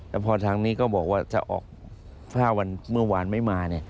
แล้วพอทางนี้ก็บอกว่าถ้าออก๕วันเมื่อวานไม่มา